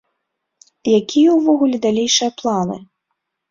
Якія ўвогуле далейшыя планы?